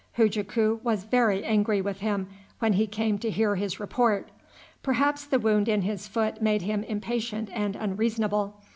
Hujaku was very angry with him when he came to hear his report. Perhaps the wound in his foot made him impatient and unreasonable.